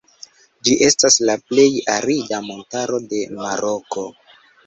Ĝi estas la plej arida montaro de Maroko.